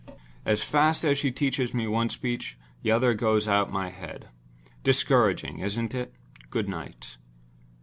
As fast as she teaches me one speech, the other goes out of my head. Discouraging, isn't it? Goodnight."